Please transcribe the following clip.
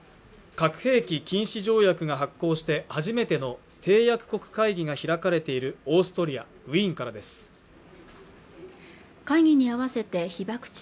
核兵器禁止条約が発効して初めての締約国会議が開かれているオーストリア・ウィーンからです会議に合わせて被爆地